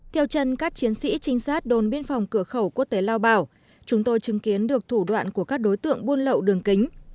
theo chân các chiến sĩ trinh sát đồn biên phòng cửa khẩu quốc tế lao bảo chúng tôi chứng kiến được thủ đoạn của các đối tượng buôn lậu đường kính